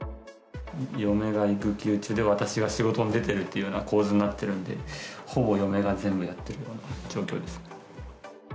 嫁が育休中で、私が仕事に出てるっていうような構図になっているので、ほぼ嫁が全部やってるような状況です。